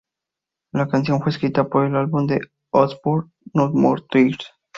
La canción fue escrita para el álbum de Osbourne "No More Tears".